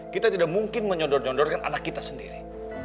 kita tidak mungkin menyodorkan anak kita sendiri